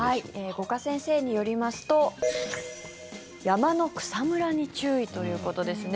五箇先生によりますと山の草むらに注意ということですね。